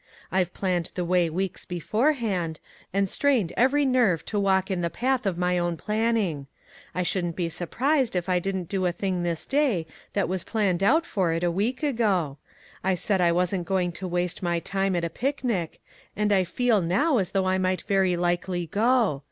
I've planned the way weeks beforehand, and strained every nerve to walk in the path of my own planning. I shouldn't be sur prised if I didn't do a thing this day that was planned out for it a week ago. I said I wasn't going to waste my time at a picnic ; and I feel, now, as though I might very likely go.